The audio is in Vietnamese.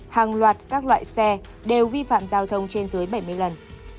hàng loạt các loại xe đều vi phạm giao thông trên dưới bảy mươi lần